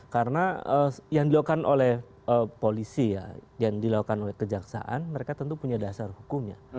karena yang dilakukan oleh polisi yang dilakukan oleh kejaksaan mereka tentu punya dasar hukumnya